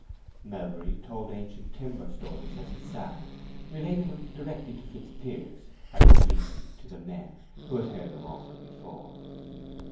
Melbury told ancient timber stories as he sat, relating them directly to Fitzpiers, and obliquely to the men, who had heard them often before.